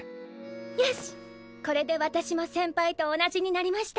よしこれで私も先輩と同じになりました。